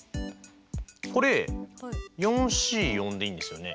これＣでいいんですよね？